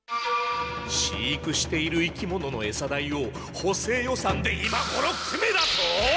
飼育している生き物のエサ代を補正予算で今ごろ組めだと！？